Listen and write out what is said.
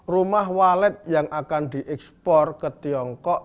rumah walet yang akan di ekspor ke tiongkok